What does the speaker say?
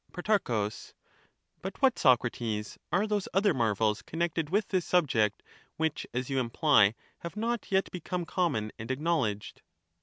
Pro, But what, Socrates, are those other marvels connected with this subject which, as you imply, have not yet become 15 common and acknowledged?